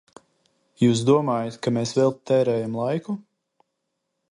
Jūs domājat, ka mēs velti tērējam laiku?